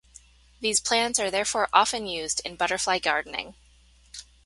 These plants are therefore often used in butterfly gardening.